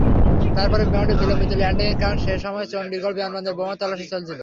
তারপরও বিমানটির বিলম্বিত ল্যান্ডিংয়ের কারণ সেই সময় চণ্ডীগড় বিমানবন্দরে বোমার তল্লাশি চলছিল।